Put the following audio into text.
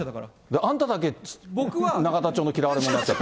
あんただけ永田町の嫌われ者になっちゃった。